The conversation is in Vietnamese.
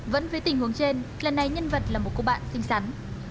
vẫn với tình huống trên lần này nhân vật là một cô bạn xinh xắn